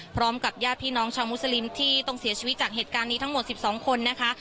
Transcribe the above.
พร้อมกับญาติพี่น้องชาวมุสลิมที่ต้องเสียชีวิตจากเหตุการณ์นี้ทั้งหมด๑๒คนนะคะ